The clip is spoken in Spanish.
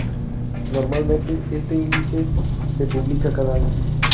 Normalmente este índice se publica cada año.